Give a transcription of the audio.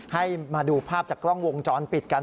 ให้มาดูภาพจากกล้องวงจรปิดกัน